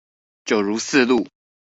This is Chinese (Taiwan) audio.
九如四路